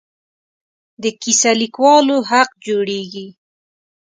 د کیسه لیکوالو حق جوړېږي.